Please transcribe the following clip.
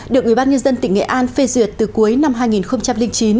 được ubnd tỉnh nghệ an phê duyệt từ cuối năm hai nghìn chín